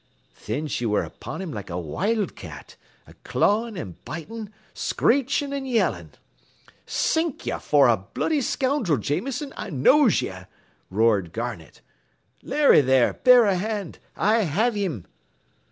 Thin she ware upon him like a wild cat, a clawin' an' bitin', screechin' and yellin'. "'Sink you for a bloody scoundrel, Jameson, I knows ye,' roared Garnett. 'Larry, there, bear a hand. I have him.'